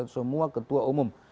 oh mantan mantan ketua umum